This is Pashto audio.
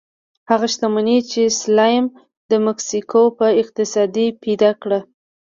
هغه شتمني چې سلایم د مکسیکو په اقتصاد کې پیدا کړه.